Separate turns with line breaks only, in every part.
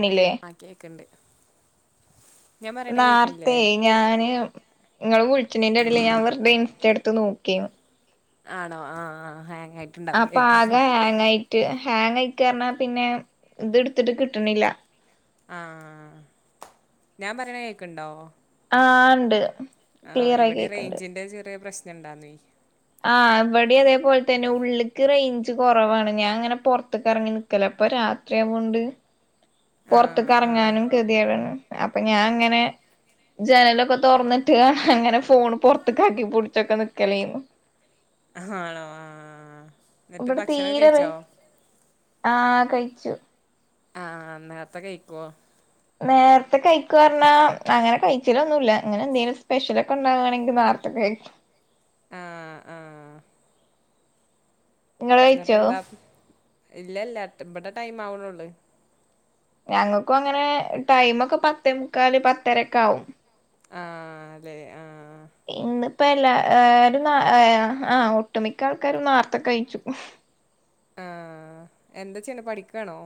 ണില്ലേ
ആ കേക്ക്ണ്ട് ഞാൻ പറയണ കേക്ക്ണില്ലേ
നാർത്തെ ഞാന് ഇങ്ങള് വിളിച്ചണന്റെ ഇടയിൽ ഞാൻ വെറതെ ഇൻസ്റ്റ എടു ഇത്‌ നോക്കിയ
ആണോ ഹ് ഹ്
അപ്പോ ആകെ ഹാങ് ആയി ഹാങ്ങ് അയക്കാറഞ്ഞ പിന്നെ ഇത്കിട്ടുന്നില്ല
ആഹ് ഞാൻ പറയണ കേൾക്ക്ണ്ടോ
ആ ണ്ട്
ആഹ് ഇവിടെ റേഞ്ചിന്റെ ചെറിയ പ്രശ് എന്തന്നി
ആ ഇവിടെ ഇതേപോലെതന്നെ ഉള്ളിൽക്ക് റേഞ്ച് കുറവാണ് ഞാൻ അങ്ങനെ പൊറത്ത്ക്ക് ഇറങ്ങി നിക്കല ഇപ്പൊ രാത്രിയാവൊണ്ട്
ആ
പൊർത്തേക്ക്
ആ
ഇറങ്ങാനും ഗതികേടാണ് അപ്പൊ ഞാൻ ഇങ്ങനെ ജനലൊക്കെ തുറന്നിട്ട് അങ്ങനെ ഫോണ് പുറത്തേക്കാക്കി പൊടിച്ചൊക്കെനിക്കല്ലേന്ന്
- [inaudible] എന്നിട്ട് ഭക്ഷണോക്കെ കഴിച്ചോ
ആ കഴിച്ചു
ആ നേരത്തെ കഴിക്കുവോ
നേരത്തെ കഴിക്കുറഞ്ഞാ അങ്ങനെ കഴിച്ചലൊന്നുമില്ല ഇങ്ങനെ എന്തെിലും സ്പെഷ്യലൊക്കെ ഉണ്ടാകുവാണെങ്കിൽ മാത്രം കഴിക്കും
ആ ആ
ഇങ്ങൾ കഴിച്ചോ
എന്നിട്ടെന്താ ഇല്ല ഇല്ല ഇവിടെ ടൈം ആവണുള്ളു
ഞങ്ങൾക്കും അങ്ങനെ ടൈമൊക്കെ പത്തേമുക്കാൽ ആ പത്തരൊക്കെ ആവും
ആഹ് ല്ലേ ആഹ്
ഇപ്പോല്ല ഒരു ആഹ് ഒട്ടുമിക്ക ആൾക്കാരും നേർത്ത കഴിച്ചു
ആ എന്താ ചെയ്യുന്നേ പഠിക്കുകയാണോ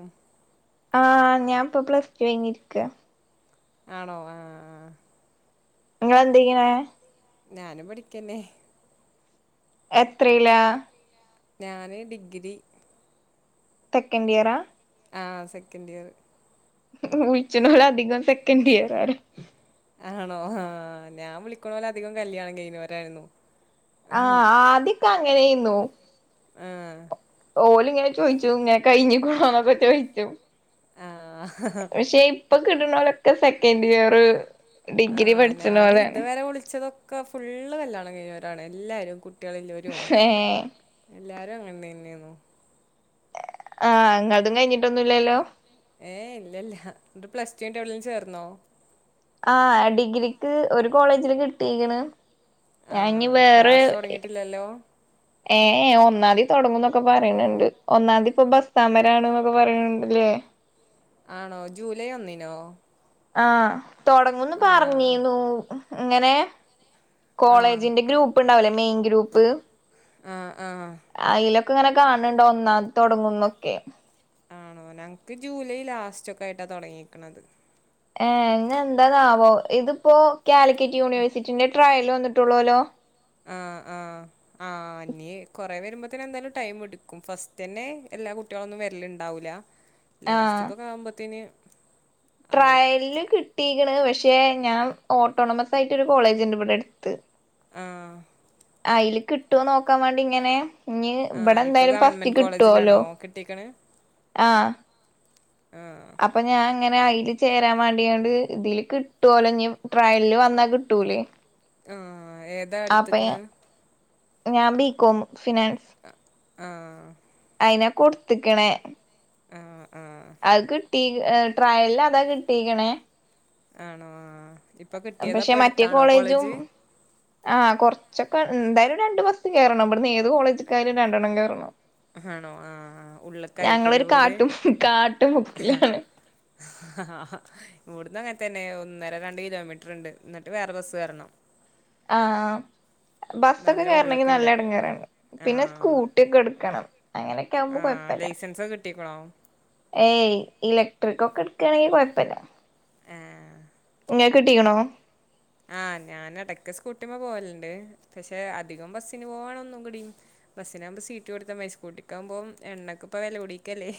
ആഹ് ഞാൻ ഇപ്പൊ പ്ലസ്ടു കഴിഞ്ഞിരിക്ക
ആണോ ആ ആ
നിങ്ങളെന്തയ്യണേ
നാനും പഠിക്കന്നെ
എത്രേല
ഞാന് ഡിഗ്രി
സെക്കൻഡിയറാ
ആഹ സെക്കൻഡ് ഇയർ
വിളിച്ചനോല് അധികം സെക്കൻഡ് ഇയർ ആരാ
ആണോ ആ ഞാൻ വിളിക്കണ പോലെ അധികം കല്യാണം കഴിഞ്ഞുവരായിരുന്നു
ആ ആ അ അങ്ങനെയന്നു
ആഹ
ഓല ഇങ്ങനെ ചോദിച്ചു ഇങ്ങനെ കഴിഞ്ഞ കൊണാന്നൊക്കെ ചോയിച്ചും
ആഹ
പക്ഷെ ഇപ്പൊ കിടുന്നളൊക്കെ സെക്കൻഡ് ഇയർ ഡിഗ്രി
ആഹ ഞാൻ
പഠിച്ചണോലാണ്
ഇതുവരെ വിളിച്ചതൊക്കെ ഒെ ഫള്ള് കല്യാണം കഴിഞ്ഞവരാണ് എല്ലാവരും കുട്ട
ഹഹ
എല്ലാരും അങ്ങനണ്ടന്നെയന്നു
ആഹ് അങ്ങതും കഴിഞ്ഞിട്ടൊന്നുംല്ലല്ലോ
ഏ ഇല്ല ഇല്ല എന്ന് പ്ലസ് ു് എവിടെും ചേർന്നോ
ആഹ ഡിഗ്രിക്ക് ഒരു കോളേജില് കിട്ടിരിക്കണ്
ആ
ഞാ ഇ വേറെ
ക്ലാസ് തുടങ്ങിയിട്ടില്ലല്ലോ
ഏ ഒന്നാതി തുടങ്ങുംന്നൊക്കെ പറയണ്ട് ഒന്നാതി ഇപ്പൊ ബസ്താമരാണ് എന്നൊക്കെ പറയണണ്ട്ല്ലേ
ആണോ ജൂലൈ ഒന്നിനോ
ആഹ തുടങ്ങുന്നു
ആ
പറഞ്ഞീന്നു അങ്ങനെ
ആ
കോളേജിന്റെ ഗ്രൂപ്പ് ഉണ്ടാവല്ലേ മെയിൻ ഗ്രൂപ്പ്
ആ് ആഹ
ഇങ്ങനെ അയിലൊക്കെ കാണണ്ട ഒന്ന തുടങ്ങുന്നൊക്കെ
ആണോ ഞങ്ങക്ക് ജൂലൈ ലാസ്റ്റ് ഒക്കെ ആയിട്ടാ തുടങ്ങിയിിക്കണത്
ഏ ഇങ്ങ എന്താന്നാവോ ഇതിപ്പോ കാലിക്കറ്റ് യൂണിവേഴ്സിറ്റ ട്രായല വന്നിട്ടുള്ളൂല്ലോ
ആഹ് ആഹ് ആഹ് ഇ കൊറെ വരുമ്പോത്തന്നെ എന്തായാലും ടൈം എടുക്കും ഫസ്റ്റ് തന്നെ എല്ലാ കുട്ടികള ഒന്നും വരലുണ്ടാവൂില്ല ലാസ്റ്റക്കൊക്കെവുമ്പോത്തേന്
ട്രയല കിട്ടിിക്കണ് പക്ഷേ ഞാൻ ഓട്ടോണമസ് ആയിട്ട് ഒരു കോളേജ് ഉണ്ട് ഇവിടെ എടുത്ത്
ആ
അയില് കിട്ടുവന്ന് നോക്കാൻ വേണ്ടി ഇങ്ങനെ ഇഞ്ഞ് ഇവിടെ
ആഹ് ഇപ്പൊ
എന്തായാലും ഫസ്റ്റ്
ഗവൺമെന്റ്
കിട്ടുവല്ലോ
കോളേജിലാണോ കിട്ടീക്കണ്
ആഹ്
ആഹ്
അപ്പൊ ഞാൻ അങ്ങനെ അയില് ചേരാൻ വേണ്ടിയാണ്ട് ഇതില് കിട്ടുവൊല്നി ട്രയലില് വന്നാ കിട്ടൂലേ
ആഹ് ഏതാ
അപ്പൊ
എടുത്ത്ക്കണ്
ഞാൻ ബീകോമ് ഫിനാൻസ്
ആഹ്
അയിനെ കൊടുത്ത്ക്ക്ണ്.
ആഹ് ആഹ്
അത് കിട്ടീ ഏന് ട്രയൽലതാ കിട്ടീക്ണേ.
ആണോ ആഹ് ഇപ്പൊ കിട്ടിയതപ്പൊ
പഷെ മറ്റേ
അടുത്താണോ
കോളേജും
കോളേജ്
ആഹ് കൊർച്ചൊ പ്പെന്തായാലും രണ്ട് ബസ്സ് കേറണം ഇബ്ട്ന്ന് ഏത് കോളേജ്ക്കായാലും രണ്ടെണ്ണം കേറണം
ആണോ ആഹ് ഉള്ള്ക്കാരിക്കൂല്ലേ
ഞങ്ങളൊരു
വീട്
കാട്ടും കാട്ടുമുക്കിലാണ്
ഇവ്ട്ന്നങ്ങ ൻ ത്തെന്നെ ഒന്നര രണ്ട് കിലോമീറ്ററ്ണ്ട് ന്ന്ട്ട് വേറെ ബസ്സ്കേറണം
ആ ബസ്സൊക്കെ
നല്ല
കേറണെങ്കി നല്ല
ഉള്ള്ക്ക്ണ്ട്
എടങ്ങേറാണ് പിന്നെ
ആഹ്
സ്കൂട്ട്യോക്കെ എടുക്കണം അങ്ങനൊക്കാവുമ്പൊ
ആഹ്
കൊയ്പ്പല്ല
ലൈസൻസൊക്കെ കിട്ടിക്ക്ണോ
ഏയ് ഇലക്- ട്രിക്കൊക്കെ ട്ക്കാണെങ്കി കൊയ്പ്പല്ല
ആഹ്
ഇങ്ങക്ക്കിട്ടീക്കണോ
ആ ഞാനെടക്ക് സ്കൂട്ടിമ്മ പോവല്ണ്ട് പക്ഷെ അധികം ബസ്സിന് പോവാണ് ഒന്നുകൂടിം ബസ്സിനാവുമ്പൊ സീറ്റ് കൊടുത്താമതി സ്കൂട്ടിക്കാവുമ്പോ എണ്ണക്കിപ്പം വെലകൂടിക്കല്ലേ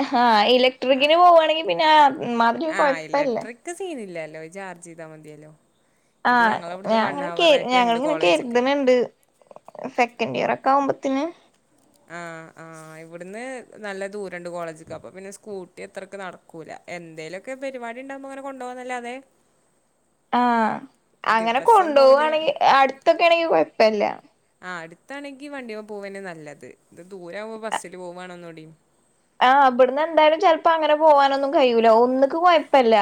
ആഹ് ഇലക്ട്രിക്കിന് പോവാണെങ്കി പിന്നെ ആ- ഇമ്മാതിരി ഒരുകൊയ്പ്പല്ല
[unintelligible] ചാർജെയ്ത മതിയല്ലോ
ആ
ഇത് ഞങ്ങളവ്ട്ന്ന് വൺ
ഞാങ്ങനെ കെ
ഹവറേറ്റെണ്ട്
ഞങ്ങളിങ്ങനെ
കോളേജ്ക്ക്
കെര്ത്ണ് ണ്ട് സെക്കൻഡ് ഇയർ - ക്കാവുമ്പത്തിന്
ആ ആ ഇവിടുന്ന് നല്ല ദൂരണ്ട് കോളേജ്ക്ക് അപ്പൊപിന്നെ സ്കൂട്ടി അത്രക്ക് നടക്കൂല എന്തേലൊക്കെ പരുവാടി ഇണ്ടാവമ്പങ്ങനെ കൊണ്ടോവാന്നല്ലാതെ
ആഹ് അങ്ങനെ
ദിവസം പോവല്
കൊണ്ടോവാണെങ്കി അടുത്തൊക്കെണെങ്കി കൊയ്പ്പല്ല
ത്താണെങ്കി വണ്ടിമെപോവെന്നെ നല്ലത് ഇത് ദൂരാവുമ്പൊ ബസ്സില് പോവാണൊന്നൂടി
ആ ബ്ട്ന്ന് എന്തായാലും ചെലപ്പൊ അങ്ങനെ പോവാനൊന്നും കയ്യൂല്ല ഒന്ന്ക്ക് കൊയ്പ്പല്ല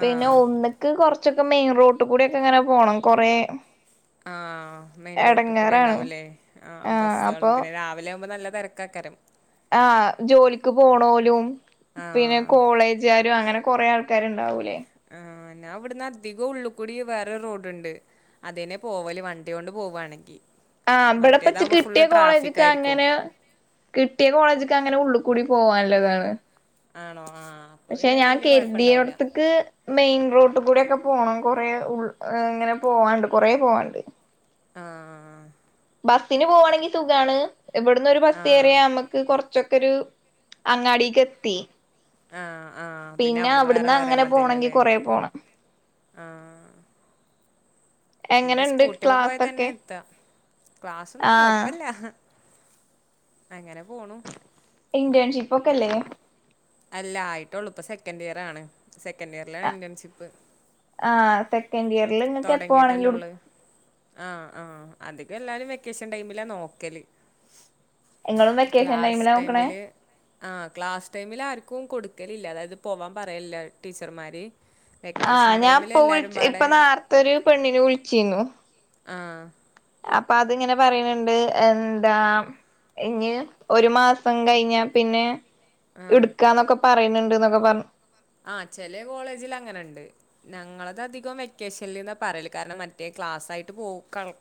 ആ
പിന്നെ ഒന്നുക്ക് കൊറ ച്ചൊക്കെ മെയിൻറോട്ടിക്കൂടെയൊക്കെ ഇങ്ങനെ പോണം കൊറേ
ആഹ് മെയിൻ റോട്ടികൂടെ
എടങ്ങേറാണ്
ഉണ്ടാവൂല്ലെ ആഹ് ബസ്സുകളും പിന്നെ രാവിലെ ആവുമ്പൊ നല്ലെ തെരക്കാക്കരം
ആ ജോലിക്ക് പോണോരും
ആ
പിന്നെ കോളേജുകാരും അങ്ങനെ കുറേ ആൾക്കാരുണ്ടാവൂലേ
ആ ഞാൻ ഇവിടുന്ന് അധികം ഉള്ളിൽ കൂടി വേറൊരു റോഡുണ്ട് അതിലെയ പോവല് വണ്ടി കൊണ്ട് പോവാണെങ്കിൽ
ആഹ് ഇവിടെപ്പച്ച് കിട്ടിയ കോളേജുക്ക്
ആയിരിക്കും
അങ്ങനെ കിട്ടിയ കോളേജുക്ക് അങ്ങനെ ഉള്ളിൽ കൂടി പോവാനുള്ളതാണ്
ആണോ ആ അപ്പൊ
പക്ഷെ
പിന്നെ
ഞാൻ
വല്യ കുഴപ്പണ്ടാവൂല
കരുതിയിടത്തേക്ക് മെയിൻ റോട്ടിൽ കൂടൊക്കെ പോണം കൊറേ ഉ ഇങ്ങനെ പോവാണ്ട് കൊറേ പോവാണ്ട്
ആഹ്
ബസ്സിന് പോകുകവാണെങ്കിൽ സുഖണ് എവിടന്ന് ഒരു
ആ
ബസ് എറിയാൽ നമുക്ക് കുറച്ചു ഒരു അങ്ങാടിക് എത്തി
ആ ആ പിന്നെ അവിടുന്ന് വേറെ വേറെ
അങ്ങനെ
മതില്ലോ
പോണെങ്കി
അല്ലേ
കൊറേ പോണം
ആ ഇവിടെ
എങ്ങനെണ്ട്
സ്കൂട്ടി പോയ തന്നെ
ക്ലാസൊക്കെ
യത്ത ക്ലാസ്സൊന്നും
ആഹ്
കൊഴപ്പില്ല
ഇന്റേൺഷിപ്പ് ഒക്കെല്ലേ
അല്ല ആയിട്ടേള്ളൂ ഇപ്പോ സെക്കന്റ്‌ ഇയർ ആണ് സെക്കന്റ്‌ ഇയറിലാണ് ഇന്റേൺഷിപ്പ്
ആ സെ
തുടങ്ങിട്ടില്ലേ ഉള്ളത് ആ ആ അധികം എല്ലാരും വെക്കേഷൻ ടൈമിലാ നോക്കൽ
ഇങ്ങളും വെക്കേഷൻ
ക്ലാസ്
ടൈമിലാ നോക്കണേ
ടൈമിൽ ആ ക്ലാസ് ടൈമിൽ ആർക്കും കൊടുക്ക ഒരിക്കലല്ല അതായത് പോവാൻ പറയല്ല ടീച്ചർമാര്
ആ
വെക്കേഷൻ
ഞാൻ
ടൈമിൽ
പോ വിളി
എല്ലാരും
ഇപ്പൊ
പാടെ
നെ തൊരു പെണ്ണിൻ വിളിചിനു
ആ
അപ്പൊ അതു ഇങ്ങനെ പറയുന്നുണ്ട് എന്താ ഇഞ് ഒരു മാസം കഴിഞ്ഞ പിന്നെ
ആഹ്
എടുക്കാന്നൊക്കെ പറ ടന്നുണ്ട് എന്നൊക്കെ പറഞ്ഞു
ആ ചില കോളേജിൽ അങ്ങനെുണ്ട് ഞങ്ങളത് അധികം വെക്കേഷനിൽന്ന പറയല കാരണം മറ്റേ ക്ലാസ് ആയിട്ട് പോ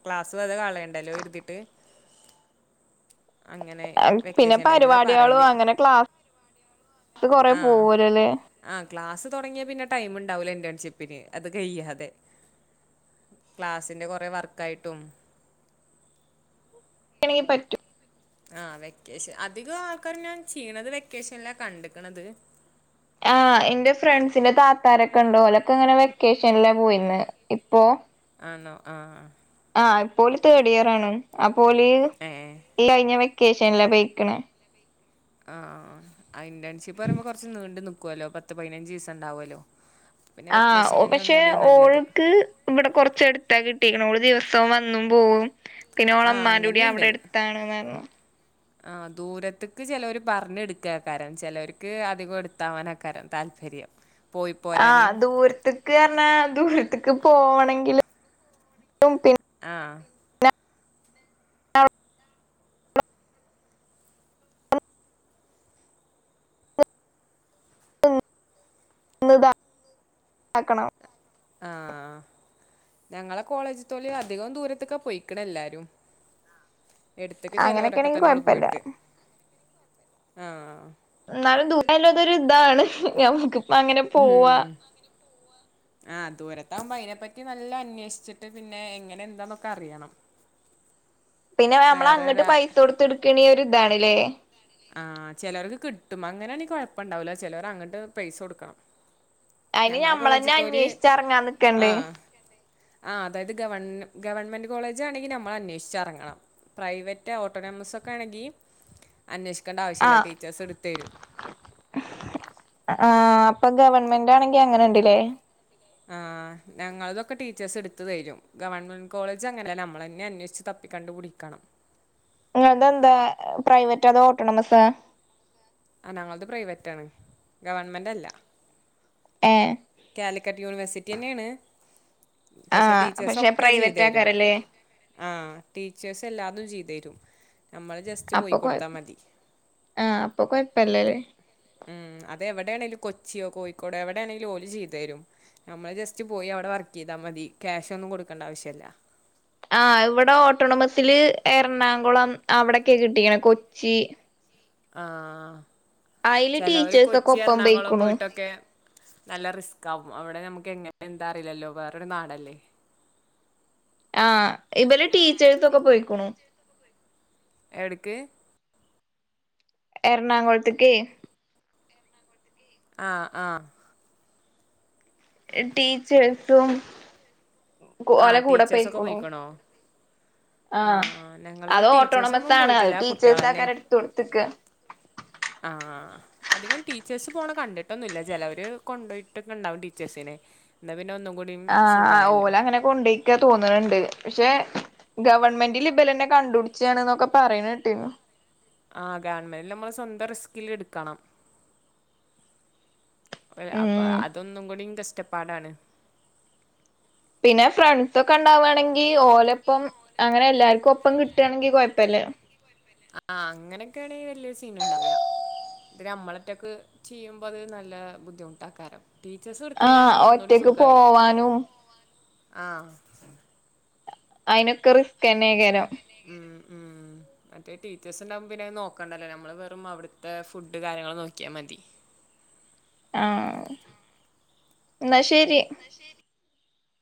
ക്ലാസ് വെറുതെ കളയണ്ടല്ലോ എരുതിട്ട്
പിന്നെ പരിപാടികളും
പറയല്
അങ്ങനെ ക്ലാസ് കൊറെ പോവുല്ലല്ലേ
ആ ക്ലാസ് തുടങ്ങിയ പിന്നെ ടൈമുണ്ടാവില്ല ഇന്റേൺഷിപ്പിന് അതു കഴിയാതെ ക്ലാസിന്റെ കൊറെ വർക്കായിട്ടും
[unintelligible] പറ്റും
ആ വെക്കേഷൻ അധികം ആൾക്കാരും ഞാൻ ചെയ്യണേ വെക്കേഷൻല്ല കണ്ടക്കണത്
ആ എന്റെ ഫ്രണ്ട്സിന്റെ താത്താരൊക്കെ ഉണ്ട് യൊരൊക്കെ ഇങ്ങനെ വെക്കേഷനില പോയിന്ന് ഇപ്പൊ
ആണോ ആ
ആ ഇപ്പൊ തേർഡ് ഇയർ ആണ് അ പോൽ
ഏഹ്
ഇല്ല ഈ കേശനിൽ പോയെക്കണ
ആ ആ ഇന്റേൺഷിപ്പ് പറയ്പോ കുറച്ച് നീണ്ട് ക്കുവല്ലോ പത്ത് പതിനഞ്ച് ദിവസം ഇണ്ടാവുമല്ലോ
ആ പക്ഷെ ഓൾക്ക് ഇവിടെ കുറച്ച് എടുത്താ കിട്ടിരിക്കണം ഓള് ദിവസവും വന്നും പോകവും
ആഹ്
പിന്നോഓളമമാന്റെ കൂടി അവിടെ എടുത്താണ് പറഞ്ഞ
ആ ദൂരത്തക്ക് ചിലവർ പറഞ്ഞ എടുക്കുകക്കാര ചിലവർക്ക് അധികം എടുത്തവാന ക്കാരം താല്പര്യം പോയി
ആ
പോരാന്.
ദൂരത്തക്ക് പറഞ്ഞാ ദൂര ത്ക് പോണെങ്കിൽ [unintelligible]
ആഹ
താക്കണം
ആഹ ഞങ്ങളെ കോളേജത്തോല അധികം ദൂരത്തൊക്കെ പോൊയിക്കണ എല്ലാരും എടുത്തക്ക്
അങ്ങനെയൊക്കെ
ചിലവരൊക്കെ
ആണെങ്കി
തന്നെോള്
കൊഴപ്പല്ല
പോയിട്ട് ആഹ
എന്നാലും ദൂല്ലതൊരു ഇതാണ് ഞമുക്ക് അങ്ങനെ പോവാ
ആഹ ദൂരത്തകുമ്പോ അതിനെപ്പറ്റി നല്ല അന്വേഷിച്ചിട്ട് പിന്നെ എങ്ങനെ എന്താന്നൊക്കെ അറിയണം
പിന്നെ നമ്മള
വേറെ
അങ്ങോട്ട്
ഒരാ
പൈസ കൊടുത്ത് എടുക്കണ ഒ ഒരു ഇതാണല്ലേ
ആഹ് ചിലവർക്ക് കിട്ടും്പോ അങ്ങനൊണ കൊഴപ്പ ഇണ്ടാവലോ ചിലർ അങ്ങോട്ട് പൈസ കൊടുക്കണം
അയിന്
ഞങ്ങളെ
ഞമ്മളന്നെ
കോളേജത്തര്
അന്വേഷിച്ചറങ്ങാൻ നിക്കണ്ടേ
ആഹ ആ അതായത് ഗവൺമ ഗവൺമെന്റ് കോളേജ് ആണെങ്കിൽ നമ്മൾ അന്വേഷിച്ച് ഇറങ്ങണം പ്രൈവറ്റ് ഓട്ടോനോമസ് ഒക്കെ ആണെങ്കിൽ അന്വേഷിക്കണ്ട ആവശ്യില്ല
ആഹ്
ടീച്ചേഴസ് എടുത്ത വരും
ആ അപ്പൊ ഗവൺമെന്റ്ാണെങ്കി അങ്ങനെ ഉണ്ടല്ലേ
ആ് ഞങ്ങളതൊക്കെ ടീച്ചേഴ്സ് എടുത്തു തരും ഗവൺമെന്റ് കോളേജ് അങ്ങനെയല്ല നമ്മളെന്നെ അന്വേഷിച്ച് തപ്പിക്കണ്ട് കുടിക്കണം
നിങ്ങന്ത എന്താ പ്രൈവറ്റ് അതോ ഓട്ടോണമസ്
ആ ഞങ്ങളത് പ്രൈവറ്റ ആണ് ഗവണ്മെന്റ് അല്ല
ഏ
കാലിക്കട്ട് യൂണിവേഴ്സിറ്റി തന്നെയാണ് പക്ഷെ
ആഹ്
ടീച്ചേഴസ്
പക്ഷെ
ഒക്കെ ചെയ്ത
പ്രൈവറ്റ്
തരും
ആക്കാരല്ലേ
ആ ടീച്ചേഴ്സ് എല്ലാന്നും ചെയ്തരും പറ്റും
അപ്പൊ കൊഴ ആഹ അപ്പൊ കൊഴപ്പല്ലല്ലേ
ഉം അതെവിടെയാണെങ്കിലും കൊച്ചിയോ കോഴിക്കോടോ എവിടെയാണെങ്കിലും ഓല ചെയ്തു തരും നമ്മള് ജസ്റ്റ് പോയി അവിടെ വർക്ക് ചെയ്താൽ മതി ക്യാഷ് ഒന്നും കൊടുക്കേണ്ട ആവശ്യല്ല
ആഹ ഇവിടെ ഓട്ടോണമസിില് എറണാകുളം അവിടൊക്കെ കിട്ടിക്കണ കൊച്ചി
ആഹ
അയില്
ചില ഒരു
ടീച്ചേഴ്സ് ഒക്കെ
കൊച്ചി
ഒപ്പം
എറണാകുളം
പോയിക്കുണു
പോയിട്ടൊക്കെ നല്ല റിസ്ക് ആാവും അവിടെ നമുക്ക് എങ്ങനെ എന്താ അറിയില്ലല്ലോ വേറൊരു നാടല്ലേ
ആഹ ഇവലെ ടീച്ചേഴ്സ ഒക്കെ പോയിക്കണു
എടക്കേ
എറണാകുളത്തക്ക്
ആഹ ആഹ
ടീച്ചഎട്ടും ഓല
ആഹ് ടീച്ചേഴ്സൊക്കെ
കൂടെപൈയ്ക്കോ ഓ
പോയിക്കണോ
ആഹ്
ഞങ്ങളില്
അത്
ടീച്ചേഴ്സൊന്നും
ഓട്ടോണമസ്സാണ് അത്
പോയിട്ടില്ല കുട്ടികളന്നെ
ടീച്ചേഴ്സ്സൊക്കെ റിത്തിച്ച്കൊട്ത്കാ
ആഹ് അധികം ടീച്ചേഴ്സ് പോണെ കണ്ടിട്ടൊന്നുംല്ല ചെലവര് കൊണ്ടോയിട്ടൊക്കെ ഉണ്ടാവും ടീച്ചേഴ്സിനെ എാ പിന്നെ ഒന്നുംകൂ
ആഹ് ആ ഓല് അങ്ങനെ കൊണ്ടേയ്ക്കാ തോന്നണണ്ട് പക്ഷെ ഗവൺമെന്റ് ലിബലനെ കണ്ടൂട്ച്ചയാണ് എന്നൊക്കെ പറയുണേട്ടിരുന്നു
ആഹ് ഗവൺമെന്റിൽ നമ്മള് സ്വന്തം റിസ്കില് എടുക്കണം അ അപ്പ
ഉം
അതൊന്നും കൂടി ഇൻഡസ് റ്റപ്പാടാണ്
പിന്നെ ഫ്രണ്ട്സ്സൊക്കെ ഇണ്ടാവാണെങ്കി ഓലൊപ്പം അങ്ങനെ എല്ലാര്ക്കും ഒപ്പം കിട്ടാണെങ്കി കൊയപ്പല്ലാ
ആ അങ്ങനെക്കേണെ വല്ല്യ സീനുണ്ടാവുല്ല. ഇത് അമ്മളറ്റൊക്ക് ചെയ്യുമ്പോ അത് നല്ല ബുദ്ധിമുട്ടാക്കാരം ടീച്ചേഴ്സ്
ആ
ഇട്ത്തരാണെങ്കി ഒന്നൂടി
ഒറ്റയ്ക്ക് പോവാനും
ആ
ആയിനൊ ക്കെ റിസ്ക്കെന്നെ എയ്ക്കാരം
ഉം ഉം മറ്റേ ടീച്ചേഴ്സ് ഇണ്ടാവുമ്പോ പിന്നെ അയ് നോക്കെണ്ടെല്ലോ നമ്മൾ വെറും അവ്ട്ത്തെ ഫുഡ് കാര്യങ്ങൾ നോക്കിയാ മതി
ആ ഇന്നാ ശെ രി